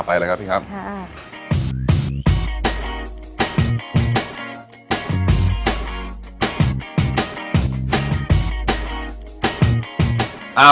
ไปเลยครับพี่ครับ